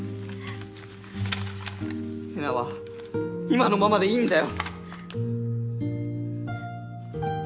えなは今のままでいいんだよ。